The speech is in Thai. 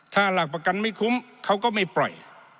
ถ้าหลักประกันไม่คุ้มเขาก็ไม่ปล่อย